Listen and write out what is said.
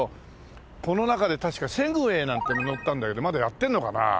この中で確かセグウェイなんて乗ったんだけどまだやってんのかな？